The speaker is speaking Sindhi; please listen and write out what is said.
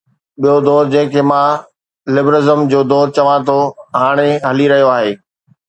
ٻيو دور، جنهن کي مان لبرلزم جو دور چوان ٿو، هاڻي هلي رهيو آهي.